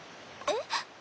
えっ？